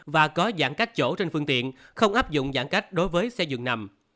và có giãn cách chỗ trên phương tiện không áp dụng giãn cách đối với xe dường nằm